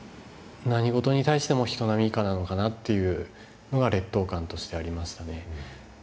何事に対しても人並み以下なのかなっていうのが劣等感としてありましたね。